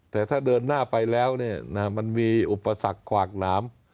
แต่ถ้าเดินหน้าไปแล้วมันมีอุปสรรคขวากหลาม